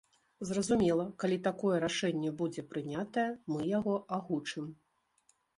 Зразумела, калі такое рашэнне будзе прынятае, мы яго агучым.